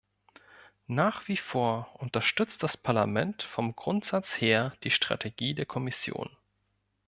Nach wie vor unterstützt das Parlament vom Grundsatz her die Strategie der Kommission.